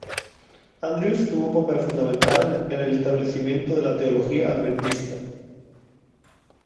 Andrews tuvo un papel fundamental en el establecimiento de la teología adventista.